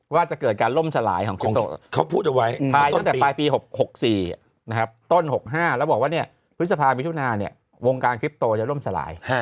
ในข่าวก็ใช้คำว่าล่มสลาย